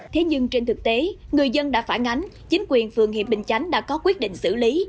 thế nhưng trên thực tế người dân đã phản ánh chính quyền phường hiệp bình chánh đã có quyết định xử lý